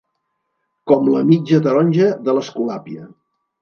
Com la mitja taronja de l'Escolàpia.